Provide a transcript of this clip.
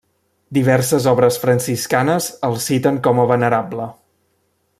Diverses obres franciscanes el citen com a venerable.